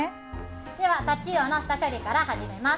ではタチウオの下処理から始めます。